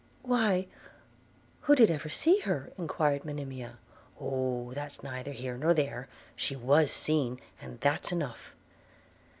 'Why, who did ever see her?' enquired Monimia. 'Oh! that's neither here nor there – she was seen, and that's enough.'